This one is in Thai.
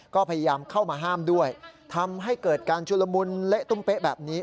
ก็พยายามเข้ามาห้ามด้วยทำให้เกิดการชุลมุนเละตุ้มเป๊ะแบบนี้